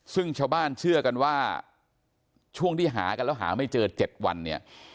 ซึ่งชาวบ้านเชื่อกันว่าช่วงที่หากันแล้วหาไม่เจอ๗วันเนี่ย